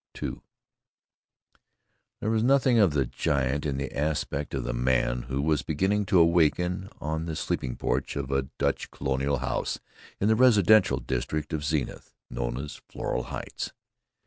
II There was nothing of the giant in the aspect of the man who was beginning to awaken on the sleeping porch of a Dutch Colonial house in that residential district of Zenith known as Floral Heights.